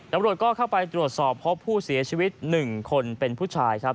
ตำรวจก็เข้าไปตรวจสอบพบผู้เสียชีวิต๑คนเป็นผู้ชายครับ